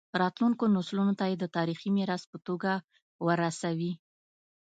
راتلونکو نسلونو ته یې د تاریخي میراث په توګه ورسوي.